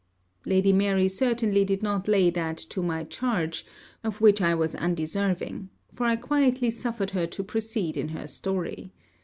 Lady Mary certainly did not lay that to my charge, of which I was undeserving; for I quietly suffered her to proceed in her story.